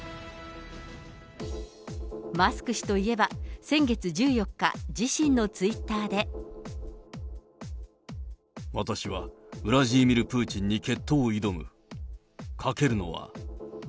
マスク氏といえば、先月１４日、私はウラジーミル・プーチンに決闘を挑む。